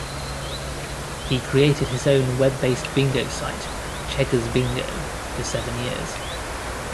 He created his own web based bingo site 'Cheggersbingo' for seven years.